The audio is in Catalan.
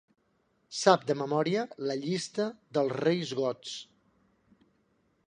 Sap de memòria la llista dels reis gots.